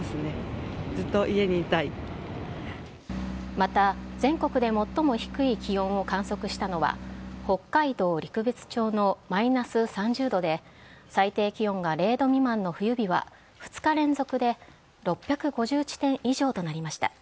また、全国で最も低い気温を観測したのは北海道陸別町のマイナス３０度で最低気温が０度未満の冬日は２日連続で６５０地点以上となりました。